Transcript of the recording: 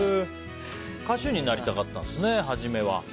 歌手になりたかったんですね初めは。